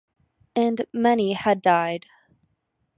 And many had died.